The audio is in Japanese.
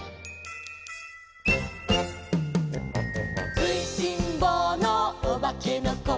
「くいしんぼうのおばけのこ」